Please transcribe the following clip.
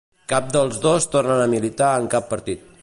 Cap dels dos tornen a militar en cap partit.